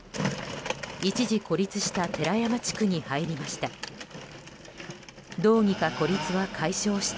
一時孤立した寺山地区に入りました。